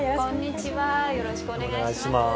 よろしくお願いします。